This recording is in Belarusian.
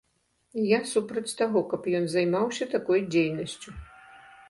Я супраць таго, каб ён займаўся такой дзейнасцю.